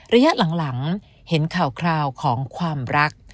ระยะหลังเห็นข่าวคราวของความรัก